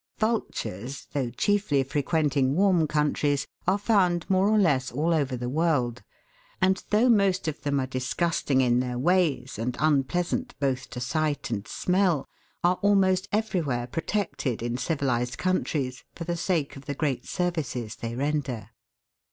Vultures, though chiefly frequenting warm countries, are found more or less all over the world, and, though most of them are disgusting in their ways and unpleasant both to sight and smell, are almost everywhere protected in civilised countries for the sake of the great services they render.